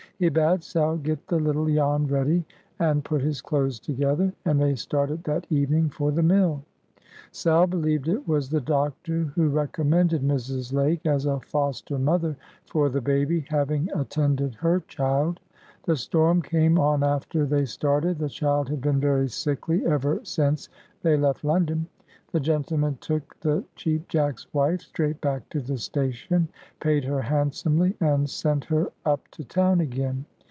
He bade Sal get the little Jan ready, and put his clothes together, and they started that evening for the mill. Sal believed it was the doctor who recommended Mrs. Lake as a foster mother for the baby, having attended her child. The storm came on after they started. The child had been very sickly ever since they left London. The gentleman took the Cheap Jack's wife straight back to the station, paid her handsomely, and sent her up to town again.